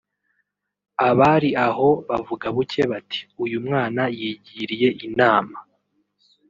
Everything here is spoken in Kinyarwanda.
Abari aho bavuga buke bati "Uyu mwana yigiriye inama